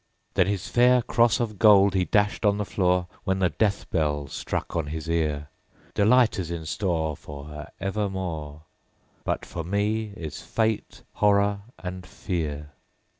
_20 4. Then his fair cross of gold he dashed on the floor, When the death knell struck on his ear. 'Delight is in store For her evermore; But for me is fate, horror, and fear.'